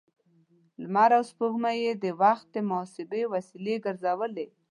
لمر او سپوږمۍ يې د وخت د محاسبې وسیلې ګرځولې.